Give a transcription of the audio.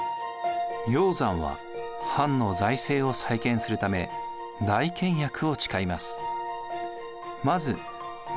鷹山は藩の財政を再建するため大倹約を誓います。